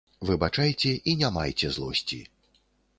Выбачайце і не майце злосці.